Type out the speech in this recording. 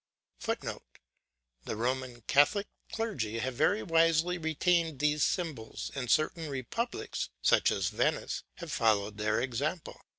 [Footnote: The Roman Catholic clergy have very wisely retained these symbols, and certain republics, such as Venice, have followed their example.